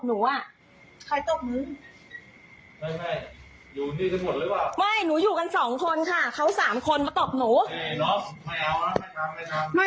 หนูอ่ะคร้องนึงโอเคหล้ายหนูอยู่กันสองคนค่ะเขาสามคนมาบอกเดิม